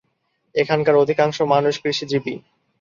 এখানকার অধিকাংশ মানুষ কৃষিজীবী।